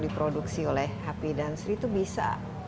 diproduksi oleh happy dance itu bisa